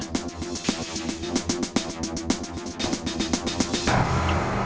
kami sudah selesai